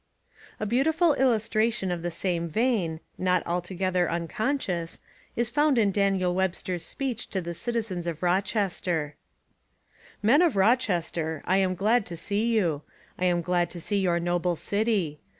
A beautiful illustration of the same vein, not altogether unconscious, is found in Daniel Web ster's speech to the citizens of Rochester: "Men of Rochester, I am glad to see you. I am glad to see your noble city.